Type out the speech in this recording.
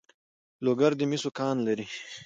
لوګر د مسو کان لري